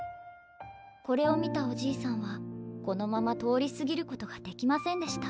これを見たおじいさんはこのまま通り過ぎることができませんでした。